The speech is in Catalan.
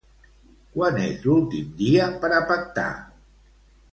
Quan és l'últim dia per a pactar?